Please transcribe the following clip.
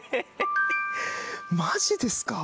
マジですか？